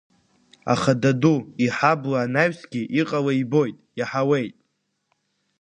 Аха даду иҳабла анаҩсгьы иҟало ибоит, иаҳауеит.